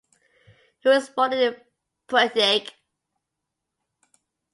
He was born in Prudnik.